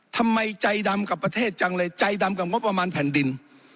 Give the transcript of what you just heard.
ทำไมใจดำกับประเทศจังเลยใจดำกับงบประมาณแผ่นดิน